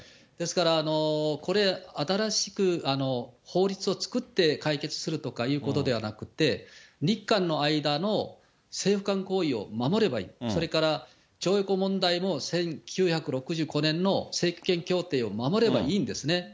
ですからこれ、新しく法律を作って解決するとかということではなくて、日韓の間の、政府間合意を守ればいい、それから徴用工問題も１９６５年の協定を守ればいいんですね。